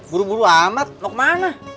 buru buru amat mau kemana